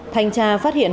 thanh tra phát hiện